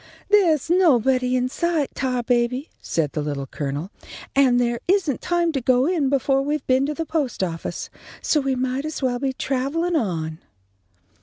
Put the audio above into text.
"There's nobody in sight, Tarbaby," said the Little Colonel, "and there isn't time to go in befo' we've been to the post office, so we might as well be travellin' on."